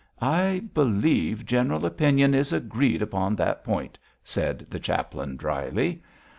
'I believe general opinion is agreed upon that point,' said the chaplain, dryly.